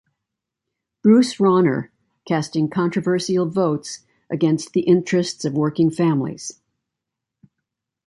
Bruce Rauner, casting controversial votes against the interests of working families.